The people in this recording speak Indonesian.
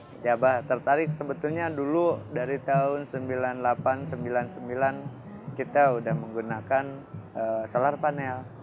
pejabat tertarik sebetulnya dulu dari tahun seribu sembilan ratus sembilan puluh delapan seribu sembilan ratus sembilan puluh sembilan kita sudah menggunakan solar panel